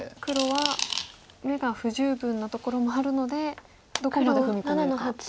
黒は眼が不十分なところもあるのでどこまで踏み込めるか。